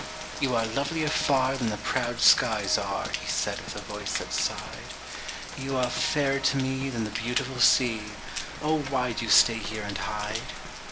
"You are lovelier far than the proud skies are," He said with a voice that sighed; "You are fairer to me than the beautiful sea, Oh, why do you stay here and hide?